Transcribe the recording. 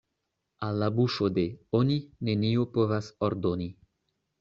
Al la buŝo de "oni" neniu povas ordoni.